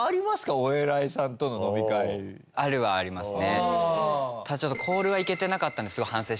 あるはありますね。